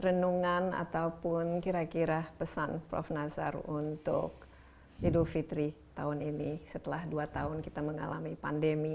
renungan ataupun kira kira pesan prof nasar untuk idul fitri tahun ini setelah dua tahun kita mengalami pandemi